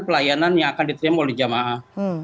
pelayanan yang akan diterima oleh jamaah